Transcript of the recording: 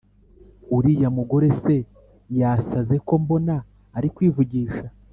“Uriya mugore se yasaze ko mbona ari kwivugisha